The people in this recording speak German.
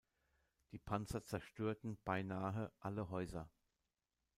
Die Panzer zerstörten beinahe alle Häuser.